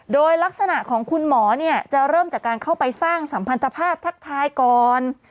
โดยลักษณะของคุณหมอเนี่ยจะเริ่มจากการเข้าไปสร้างสัมพันธภาพทักทายก่อน